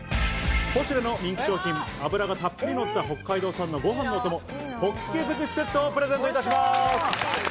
ポシュレの人気商品、脂がたっぷりのった北海道産の「ごはんのお供ホッケづくしセット」をプレゼントいたします。